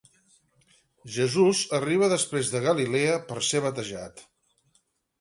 Jesús arriba després de Galilea per ser batejat.